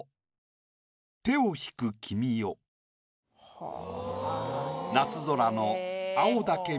はあ。